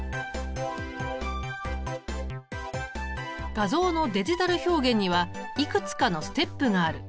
画像のデジタル表現にはいくつかのステップがある。